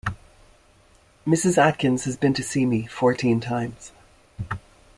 Mrs. Atkins has been to see me fourteen times.